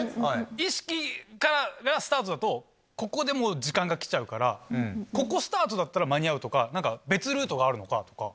意識がスタートだとここでもう時間が来ちゃうからここスタートだったら間に合うとか何か別ルートがあるのかとか。